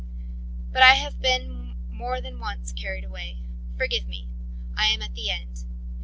"But I have been once more carried away. Forgive me. I am at the end.